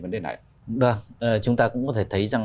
đó chúng ta cũng có thể thấy rằng